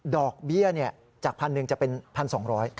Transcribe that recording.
ดอกเบี้ยจาก๑๐๐๐บาทจะเป็น๑๒๐๐บาท